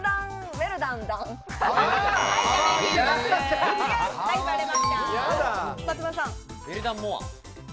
ウェルダンモア。